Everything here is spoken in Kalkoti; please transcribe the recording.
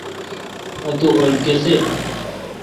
اتو اؘل کیسی۔